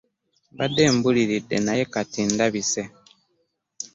Mbadde mbuliridde naye kati ndabise.